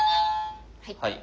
はい。